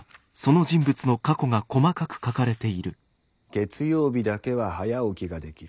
「月曜日だけは早起きが出来る。